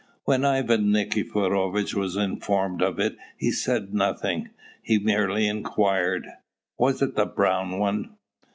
When Ivan Nikiforovitch was informed of it he said nothing: he merely inquired, "Was it the brown one?"